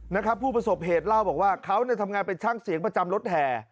นะครับผู้ประสบเหตุเล่าบอกว่าเขาเนี่ยทำงานเป็นช่างเสียงประจำรถแห่